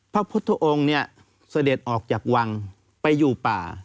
พระพุทธองค์เนี่ยเสด็จออกจากวังไปอยู่ป่า